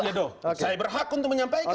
ya dong saya berhak untuk menyampaikan